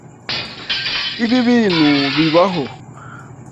Ibi bintu bibaho.